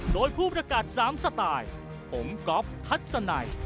โดยผู้ประกาศ๓สไตล์ผมก๊อฟทัศนัย